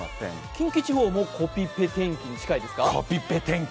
近畿地方もコピペ天気に近いですか？